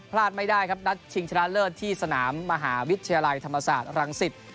พลาดไม่ได้ครับนัดชิงชนะเลิศที่สนามมหาวิทยาลัยธรรมศาสตร์รังสิต